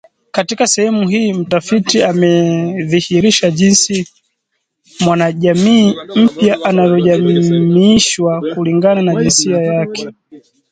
Katika sehemu hii mtafiti amedhihirisha jinsi mwanajamii mpya anavyojamiishwa kulingana na jinsia yake